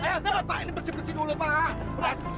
amon pak ini bersih bersih dulu pak